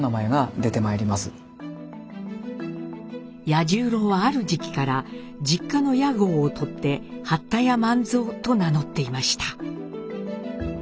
八十郎はある時期から実家の屋号をとって八田屋万蔵と名乗っていました。